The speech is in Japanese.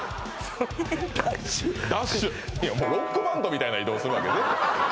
もうロックバンドみたいな移動するわけですね